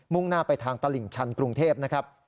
่งหน้าไปทางตลิ่งชันกรุงเทพนะครับ